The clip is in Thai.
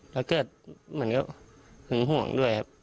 แล้วเกิดเหมือนก็หึงห่วงด้วยครับ